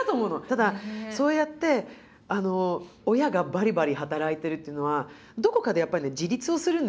ただそうやって親がバリバリ働いてるっていうのはどこかでやっぱりね自立をするんですよね